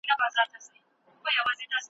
بدن هره ورځ اوبو ته اړتیا لري.